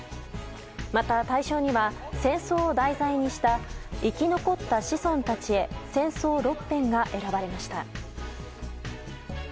また、大賞には戦争を題材にした「生き残った子孫たちへ戦争六篇」が選ばれました。